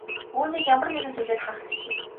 Үүнийг ямар нэгэн зүйлээр хаах хэрэгтэй.